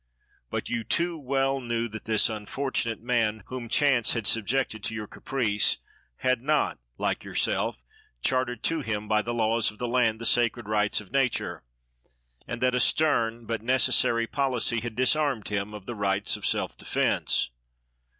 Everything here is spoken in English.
But you too well knew that this unfortunate man, whom chance had subjected to your caprice, had not, like yourself, chartered to him by the laws of the land the sacred rights of nature; and that a stern, but necessary policy, had disarmed him of the rights of self defence.